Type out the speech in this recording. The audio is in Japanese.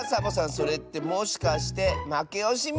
それってもしかしてまけおしみ？